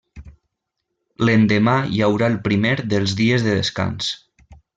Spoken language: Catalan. L'endemà hi haurà el primer dels dies de descans.